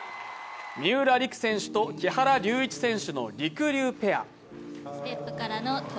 三浦璃来選手と木原龍一選手のりくりゅうペア。